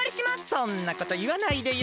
そんなこといわないでよ。